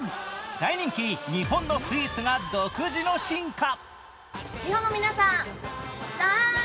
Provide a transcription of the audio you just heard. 大人気日本のスイーツが独自の進化。